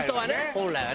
本来はね。